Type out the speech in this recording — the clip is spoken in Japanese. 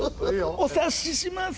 お察しします。